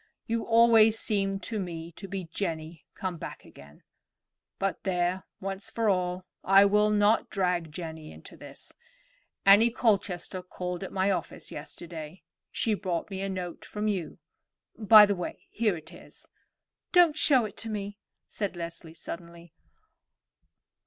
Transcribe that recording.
You always seemed to me to be Jenny come back again; but there, once for all, I will not drag Jenny into this. Annie Colchester called at my office yesterday; she brought me a note from you. By the way, here it is." "Don't show it to me," said Leslie suddenly.